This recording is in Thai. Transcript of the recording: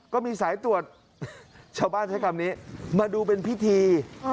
ก็มีสายตรวจชาวบ้านใช้คำนี้มาดูเป็นพิธี